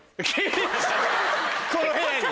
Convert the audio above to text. この部屋に？